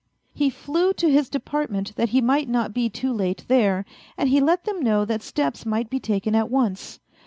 He flew to his department that he might not be too late there, and he let them know that steps might be taken at once.